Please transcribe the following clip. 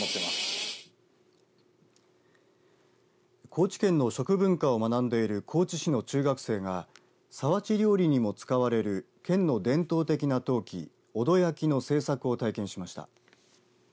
高知県の食文化を学んでいる高知市の中学生が皿鉢料理にも使われる県の伝統的な陶器尾戸焼の製作を体験しました。